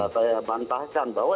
saya bantahkan bahwa